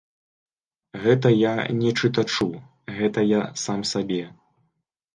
Гэта я не чытачу, гэта я сам сабе.